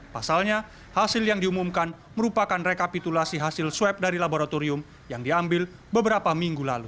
pasalnya hasil yang diumumkan merupakan rekapitulasi hasil swab dari laboratorium yang diambil beberapa minggu lalu